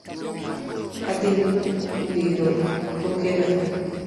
Adhi wiro kokega